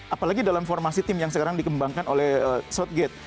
apalagi dalam formasi tim yang sekarang dikembangkan oleh southgate